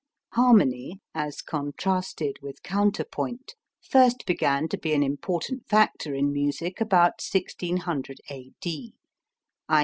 Harmony (as contrasted with counterpoint) first began to be an important factor in music about 1600 A.D., _i.